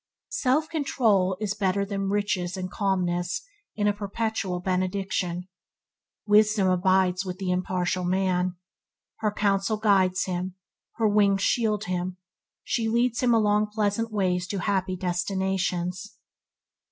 Self control is better than riches and calmness is a perpetual benediction. Wisdom abides with the impartial man. Her counsels guide him; her wings shield him; she leads him along pleasant ways to happy destinations.